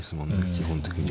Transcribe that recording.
基本的に。